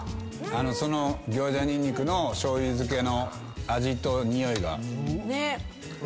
その行者ニンニクの醤油漬けの味とにおいが。